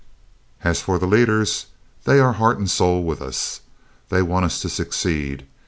"As for the leaders, they are heart and soul with us. They want us to succeed.